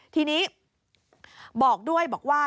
ทีนี้บอกด้วยบอกว่า